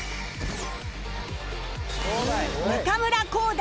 中村浩大